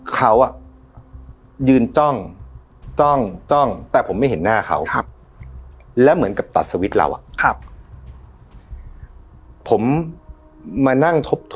เขายืนจ้องจ้องจ้องแต่ผมไม่เห็นหน้าเขา